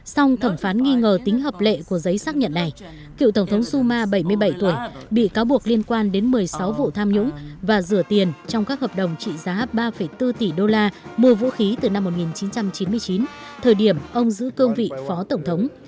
xong thẩm phán nghi ngờ tính hợp lệ của giấy xác nhận này cựu tổng thống duma bảy mươi bảy tuổi bị cáo buộc liên quan đến một mươi sáu vụ tham nhũng và rửa tiền trong các hợp đồng trị giá ba bốn tỷ đô la mua vũ khí từ năm một nghìn chín trăm chín mươi chín thời điểm ông giữ cương vị phó tổng thống